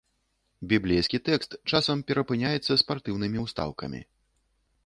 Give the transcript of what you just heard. Біблейскі тэкст часам перапыняецца спартыўнымі ўстаўкамі.